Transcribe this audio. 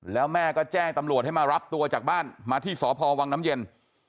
แล้วแม่ก็แจ้งตำรวจให้มารับตัวจากบ้านมาที่สพวังน้ำเย็น